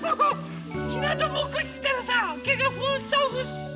ひなたぼっこしてたらさけがふっさふっさ。